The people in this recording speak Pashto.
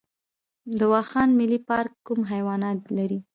د واخان ملي پارک کوم حیوانات لري؟